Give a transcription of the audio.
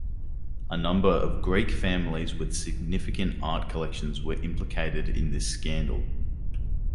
A number of Greek families with significant art collections were implicated in this scandal.